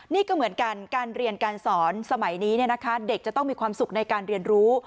นี่ก็เหมือนกันการเรียนการสอนสมัยนี้เด็กจะต้องมีความสุขในการเรียนรู้